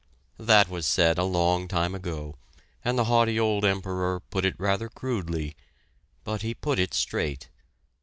That was said a long time ago, and the haughty old Emperor put it rather crudely, but he put it straight.